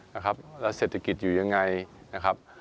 และเศรษฐกิจอยู่อย่างไร